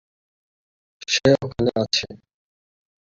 সে ওখানে আছে।